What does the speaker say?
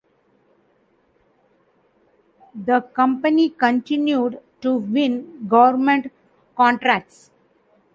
The company continued to win government contracts.